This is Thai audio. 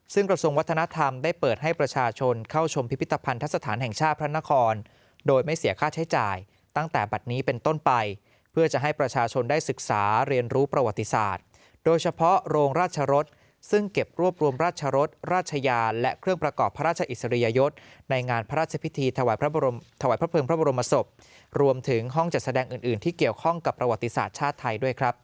ซึ่งกระทรวงวัฒนธรรมได้เปิดให้ประชาชนเข้าชมพิพิตภัณฑ์ทัศนธ์แห่งชาติพระนครโดยไม่เสียค่าใช้จ่ายตั้งแต่บัตรนี้เป็นต้นไปเพื่อจะให้ประชาชนได้ศึกษาเรียนรู้ประวัติศาสตร์โดยเฉพาะโรงราชรสซึ่งเก็บรวบรวมราชรสราชยาและเครื่องประกอบพระราชอิสริยยศในงานพระราชพิ